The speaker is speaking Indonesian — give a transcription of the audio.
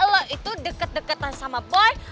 kalau itu deket deketan sama boy